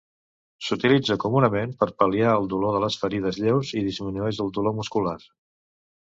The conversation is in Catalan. S'utilitza comunament per pal·liar el dolor de les ferides lleus i disminueix el dolor muscular.